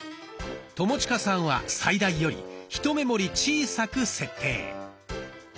友近さんは最大よりひと目盛り小さく設定。